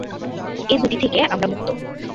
এ দুটি থেকে আমরা মুক্ত।